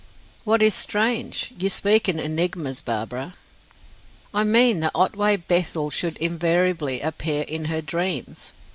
"What is strange? You speak in enigmas, Barbara." "I mean that Otway Bethel should invariably appear in her dreams.